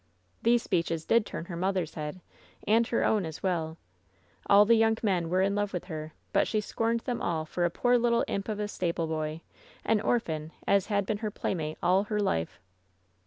"These speeches did turn her mother's head, and her own as well. All the young men were in love with her, but she scorned them all for a poor little imp of a stable boy, an orphan as had been her playmate all her life."